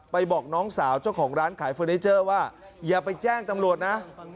บอกน้องสาวเจ้าของร้านขายเฟอร์นิเจอร์ว่าอย่าไปแจ้งตำรวจนะ